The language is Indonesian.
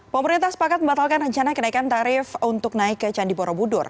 pemerintah sepakat membatalkan rencana kenaikan tarif untuk naik ke candi borobudur